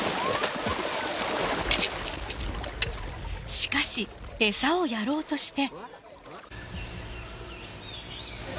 しかし、餌をやろうとして。